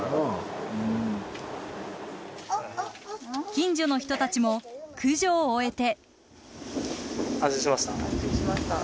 近所の人たちも駆除を終えて。